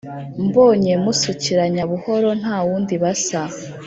mbonye musukiranya-buhoro nta wundi basa,